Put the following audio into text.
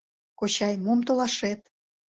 Кочай, мом толашет?